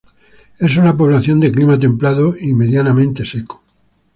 Es una población de clima templado y medianamente seco.